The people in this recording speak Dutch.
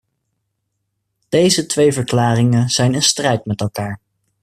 Deze twee verklaringen zijn in strijd met elkaar.